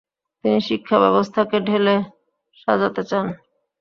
তিনি শিক্ষাব্যবস্থাকে ঢেলে সাজাতে চান।